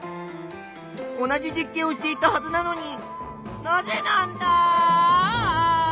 同じ実験をしていたはずなのになぜなんだ！